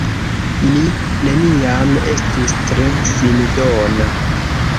Mi neniam estis tre sindona.